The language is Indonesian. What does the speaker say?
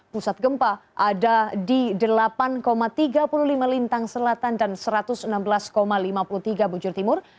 pusat gempa ada di delapan tiga puluh lima lintang selatan dan satu ratus enam belas lima puluh tiga bujur timur